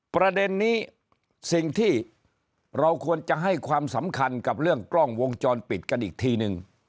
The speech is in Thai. ประเด็นนี้สิ่งที่เราควรจะให้ความสำคัญกับเรื่องกล้องวงจรปิดกันอีกทีนึง